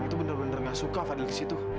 aku pertama kali gak peduli